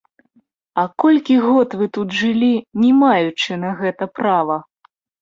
А колькі год вы тут жылі, не маючы на гэта права?